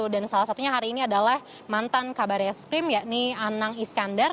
dan salah satunya hari ini adalah mantan kabar eskrim yakni anang iskandar